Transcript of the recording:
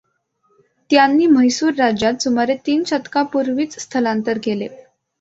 त्यांनी म्हैसूर राज्यात सुमारे तीन शतकापुर्वीच स्थलांतर केले.